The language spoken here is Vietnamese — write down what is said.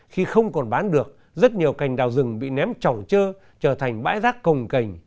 khi không còn bán được rất nhiều cành đào rừng bị ném trỏng trơ trở thành bãi rác cồng cành